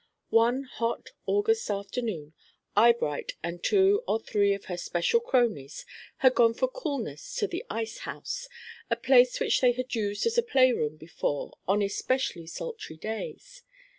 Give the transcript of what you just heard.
One hot August afternoon, Eyebright and two or three of her special cronies had gone for coolness to the ice house, a place which they had used as a playroom before on especially sultry days.